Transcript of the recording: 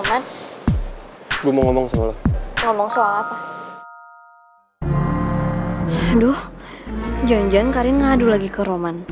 aduh jangan jangan karin ngadu lagi ke roman